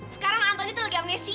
sekarang antoni tuh lagi amnesia